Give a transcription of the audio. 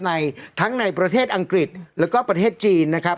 ในทั้งในประเทศอังกฤษแล้วก็ประเทศจีนนะครับ